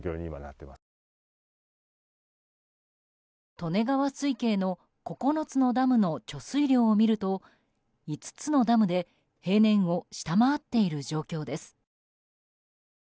利根川水系の９つのダムの貯水量を見ると５つのダムで平年を下回っている状況です。